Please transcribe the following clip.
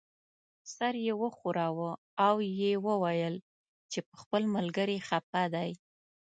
سر یې وښوراوه او یې وویل چې په خپل ملګري خپه دی.